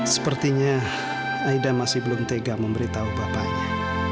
sepertinya aida masih belum tega memberitahu bapaknya